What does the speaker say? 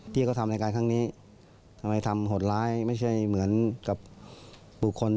พี่ก็ทำในการข้างนี้ทำอายทำห่วงหลายไม่ใช่เหมือนกับป่ามบุคคล